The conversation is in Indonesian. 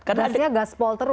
maksudnya gaspol terus